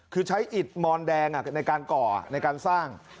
คือใช้อิดมอนแดงในการก่อในการสร้าง